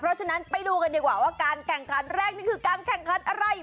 เพราะฉะนั้นไปดูกันดีกว่าว่าการแข่งขันแรกนี่คือการแข่งขันอะไร